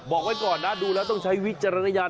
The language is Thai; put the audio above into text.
บอกไว้ก่อนนะดูแล้วต้องใช้วิจารณญาณ